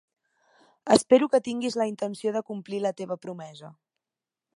Espero que tinguis la intenció de complir la teva promesa.